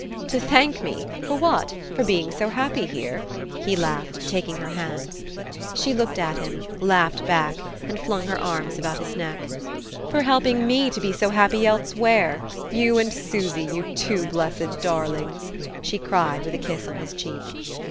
"To thank me? For what? For being so happy here?" he laughed, taking her hands. She looked at him, laughed back, and flung her arms about his neck. "For helping me to be so happy elsewhere you and Susy, you two blessed darlings!" she cried, with a kiss on his cheek.